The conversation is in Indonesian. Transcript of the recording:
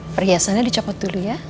perhiasannya dicopot dulu ya